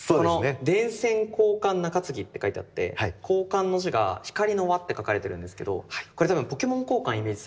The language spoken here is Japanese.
「電線光環中次」って書いてあって「交換」の字が「光」の「環」って書かれてるんですけどこれ多分ポケモン交換イメージされてますよね。